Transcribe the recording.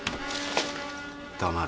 黙れ。